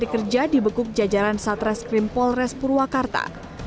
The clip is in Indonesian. kedua tersangka penipuan mencari kerja di bekuk jajaran satreskrim polres purwakarta